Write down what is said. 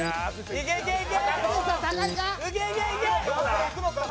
いけいけ！